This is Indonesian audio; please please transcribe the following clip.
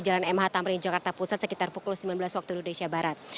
jalan mh tamrin jakarta pusat sekitar pukul sembilan belas waktu indonesia barat